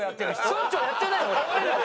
村長やってない俺！